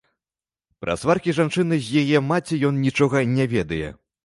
Пра сваркі жанчыны з яе маці ён нічога не ведае.